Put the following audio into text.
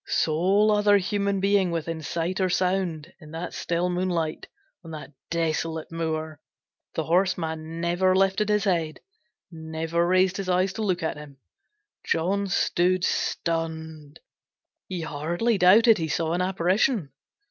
Sole other human being within sight or sound in that still moonlight, on that desolate moor, the horseman never lifted his head, never raised his eyes to look at him. John stood stunned. He hardly doubted he saw an apparition.